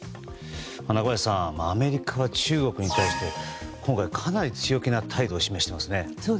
中林さんアメリカが中国に対して今回、かなり強気な態度を示していますね。